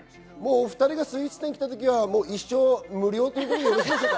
お２人がスイーツ店に来たときは、一生無料ということでよろしいでしょうか。